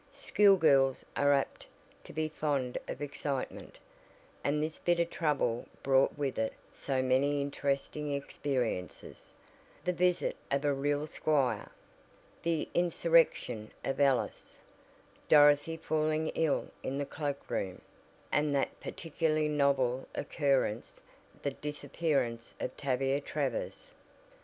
School girls are apt to be fond of excitement, and this bit of trouble brought with it so many interesting experiences the visit of a real squire, the "insurrection" of Alice; Dorothy falling ill in the cloak room, and that particularly novel occurrence: the disappearance of Tavia Travers.